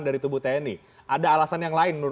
dari tubuh tni ada alasan yang lain menurut